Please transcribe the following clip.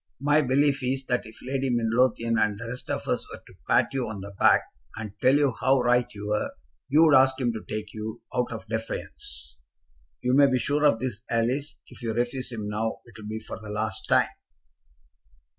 My belief is that if Lady Midlothian and the rest of us were to pat you on the back, and tell you how right you were, you'd ask him to take you, out of defiance. You may be sure of this, Alice; if you refuse him now, it'll be for the last time."